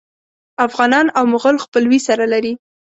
افغانان او مغول خپلوي سره لري.